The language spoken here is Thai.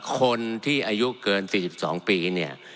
คนที่อายุเกิน๔๒ปีเนี่ย